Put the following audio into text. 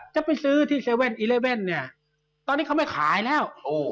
จะไปซื้อที่๗๑๑เนี่ยตอนนี้เขาไม่ขายแล้ว